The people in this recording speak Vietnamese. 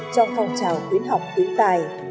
cho phong trào khuyến học khuyến tài